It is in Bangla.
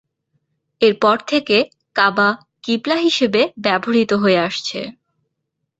এরপর থেকে কাবা কিবলা হিসেবে ব্যবহৃত হয়ে আসছে।